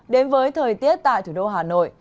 đến với thời tiết tại thủ đô hà nội